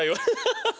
ハハハハ！